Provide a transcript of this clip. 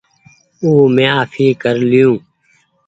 او مينٚ آڦي ڪر لئيو